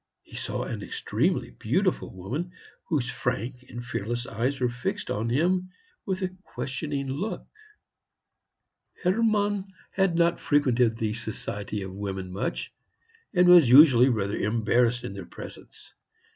He saw an extremely beautiful woman, whose frank and fearless eyes were fixed on him with a questioning look. Hermann had not frequented the society of women much, and was usually rather embarrassed in their presence.